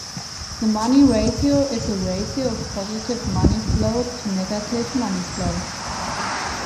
The money ratio is the ratio of positive money flow to negative money flow.